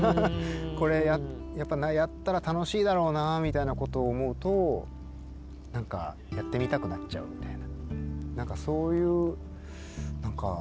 「これやったら楽しいだろうなぁ」みたいなことを思うと何かやってみたくなっちゃうみたいな。